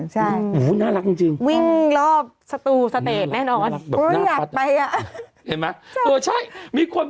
ใช่วิ่งรอบสตูสเตตแน่นอนหูววน่ารักจริง